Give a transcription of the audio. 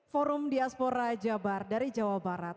forum diaspora jabar dari jawa barat